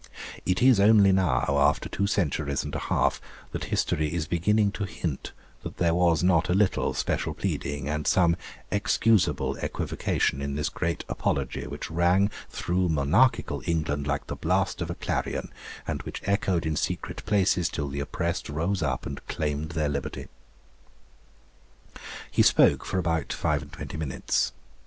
It is only now, after two centuries and a half, that history is beginning to hint that there was not a little special pleading and some excusable equivocation in this great apology which rang through monarchical England like the blast of a clarion, and which echoed in secret places till the oppressed rose up and claimed their liberty. He spoke for about five and twenty minutes.